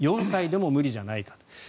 ４歳でも無理じゃないかと。